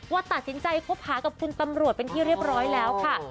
ว่าตัดสินใจคบหากับคุณตำรวจเป็นที่เรียบร้อยแล้วค่ะ